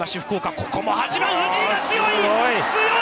ここも８番藤井が強い。